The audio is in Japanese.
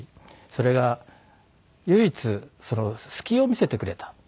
それが唯一隙を見せてくれた。